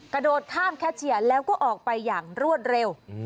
กระโดดข้ามแคชเชียร์แล้วก็ออกไปอย่างรวดเร็ว